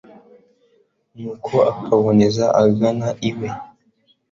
nuko akaboneza agana iwe